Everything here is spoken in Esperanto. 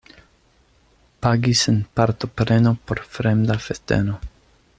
Pagi sen partopreno por fremda festeno.